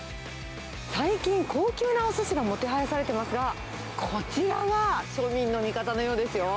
最近、高級なおすしがもてはやされてますが、こちらは庶民の味方のようですよ。